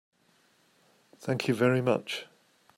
Thank you very much.